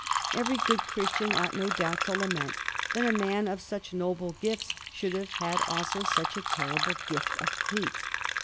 Every good Christian ought no doubt to lament that a man of such noble gifts should have had also such a terrible gift of hate.